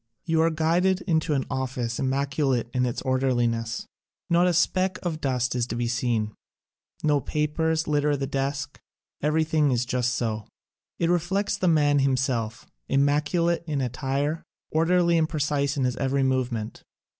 You are guided into an office immaculate in its orderliness. Not a speck of dust is to be seen. No papers litter the desk, every thing just so. It reflects the man himself, immaculate in attire, orderly and precise in his every movement.